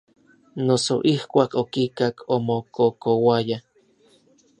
Noso ijkuak okikak omokokouaya.